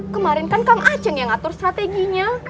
kemarin kan kang achen yang ngatur strateginya